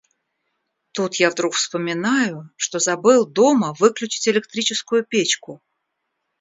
Тут я вдруг вспоминаю, что забыл дома выключить электрическую печку.